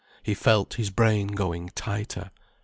He felt his brain going tighter.